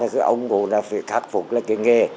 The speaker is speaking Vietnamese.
thì ông cũng phải khắc phục cái nghề